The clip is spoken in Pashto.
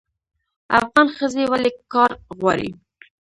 افغان ښځې ولې کار غواړي؟